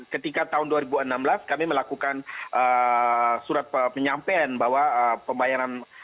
ketika tahun dua ribu enam belas kami melakukan surat penyampaian bahwa pembayaran